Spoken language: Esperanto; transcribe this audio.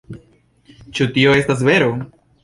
Ĉu tio estas vero?